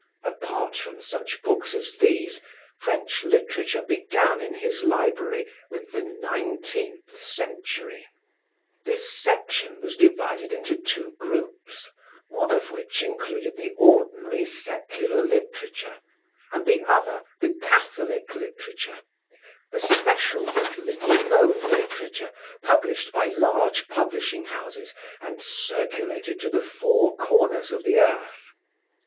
Apart from such books as these, French literature began in his library with the nineteenth century. This section was divided into two groups, one of which included the ordinary, secular literature, and the other the Catholic literature, a special but little known literature published by large publishing houses and circulated to the four corners of the earth.